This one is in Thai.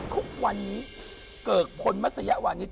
ทุกวันนี้เกิกคนมัษยะวันนี้